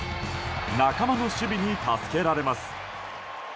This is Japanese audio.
仲間の守備に助けられます。